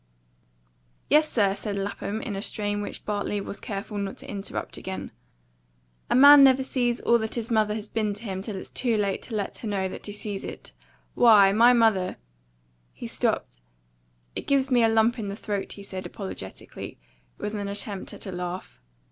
"Yes, sir," said Lapham, in a strain which Bartley was careful not to interrupt again, "a man never sees all that his mother has been to him till it's too late to let her know that he sees it. Why, my mother " he stopped. "It gives me a lump in the throat," he said apologetically, with an attempt at a laugh.